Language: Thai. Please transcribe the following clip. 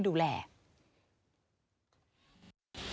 ถึงมาสอน